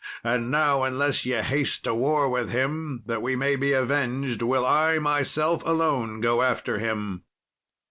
And now, unless ye haste to war with him, that we may be avenged, will I myself alone go after him."